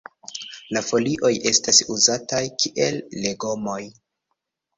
La folioj estas uzataj kiel legomoj.